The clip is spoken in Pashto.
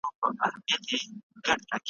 ما، پنځه اویا کلن بوډا `